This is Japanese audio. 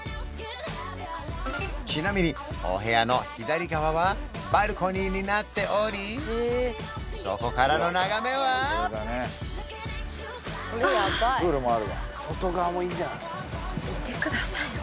ちなみにお部屋の左側はバルコニーになっておりそこからの眺めはああ